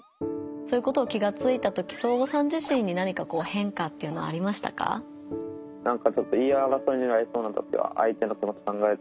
そういうことを気がついたときそーごさん自身に何かこう変化っていうのありましたか？